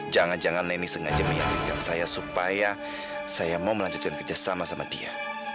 jangan jangan lenny sengaja meyakinkan saya supaya saya mau melanjutkan kerja sama sama dia